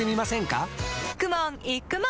かくもんいくもん